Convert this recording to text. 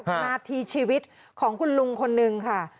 หน้าที่ชีวิตของคุณลุงคนนึงค่ะ